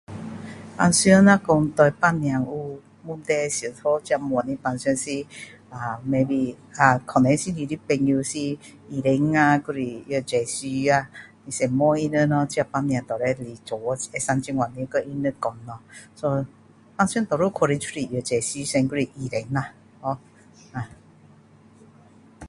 平常若说对病痛有问题时，第一个问的是平常是啊 maybe 啊可能是你的朋友是医生啊或是药剂师啊。先问他们咯，这病痛到底是为什么会长这样，你跟他们说咯。so 平常多数去的就是药剂师先，或是医生啦呵。